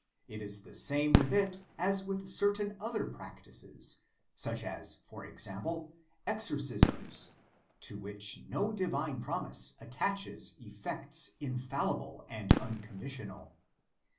It is the same with it as with certain other prac tices, such as, for example, exorcisms, to which no divine promise attaches effects infallible and unconditional.